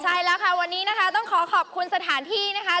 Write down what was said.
ใช่แล้วค่ะวันนี้นะคะต้องขอขอบคุณสถานที่นะคะ